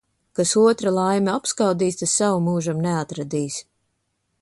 Kas otra laimi apskaudīs, tas savu mūžam neatradīs.